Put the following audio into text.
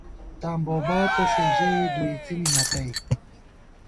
تاں بوباتہ سے ژَئی ، دُو اِڅِینے نہ تئ